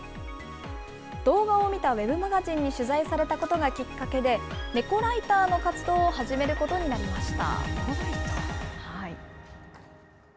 動画を見たウェブマガジンに取材されたことがきっかけで、ネコライターの活動を始めることになりました。